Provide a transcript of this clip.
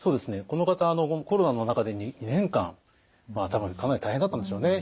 この方コロナの中で２年間多分かなり大変だったんでしょうね。